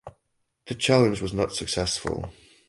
The challenge was not successful.